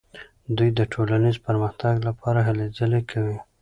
دوی د ټولنیز پرمختګ لپاره هلې ځلې کوي.